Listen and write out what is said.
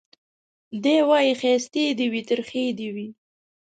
دی وايي ښايستې دي وي ترخې دي وي